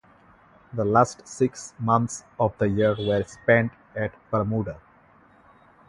The last six months of the year were spent at Bermuda.